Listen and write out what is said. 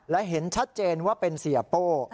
และเห็นชัดเจนว่าเป็นเสียโป้